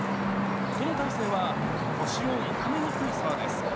この体勢は腰を痛めにくいそうです。